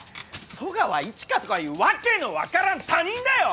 十川一華とかいうワケの分からん他人だよ！